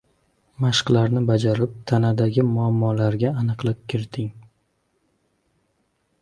Mashqlarni bajarib, tanadagi muammolarga aniqlik kiriting